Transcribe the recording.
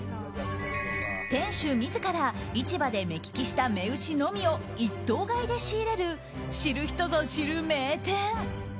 店主自ら市場で目利きした雌牛のみを一頭買いで仕入れる知る人ぞ知る名店。